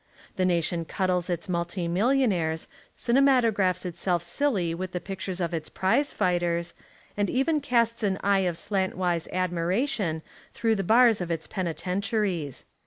The nation cuddles Its multi millionaires, cinematographs Itself silly with the pictures of Its prize fighters, and even casts an eye of slantwise admiration through the bars of Its penitentiaries.